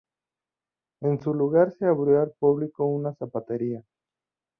En su lugar se abrió al público una zapatería.